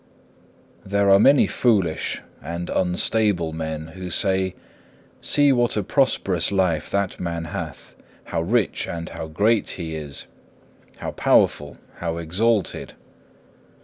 2. There are many foolish and unstable men who say, "See what a prosperous life that man hath, how rich and how great he is, how powerful, how exalted."